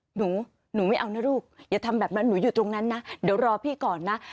หนูหนูไม่เอานะลูกอย่าทำแบบนั้นหนูอยู่ตรงนั้นนะเดี๋ยวรอพี่ก่อนนะ